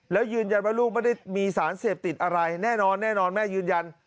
แล้วยืนยันว่าลูกไม่ได้มีสารเสพติดอะไรแน่นอนแน่นอนแม่ยืนยัน